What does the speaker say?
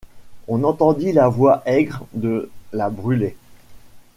On entendit la voix aigre de la Brûlé.